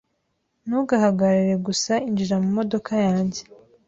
Ntugahagarare gusa Injira mu modoka yanjye